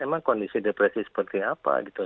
emang kondisi depresi seperti apa gitu